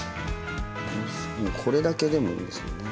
もうこれだけでもおいしそうね。